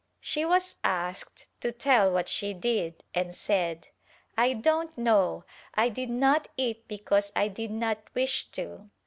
She was asked to tell what she did and said "I don't know, I did not eat because I did not wish to."